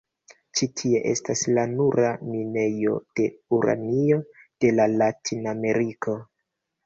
Ĉi tie estas la nura minejo de uranio de la Latin-Ameriko.